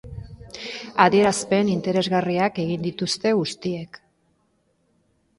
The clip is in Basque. Adierazpen interesgarriak egin dituzte guztiek.